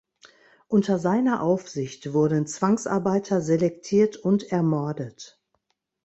Unter seiner Aufsicht wurden Zwangsarbeiter selektiert und ermordet.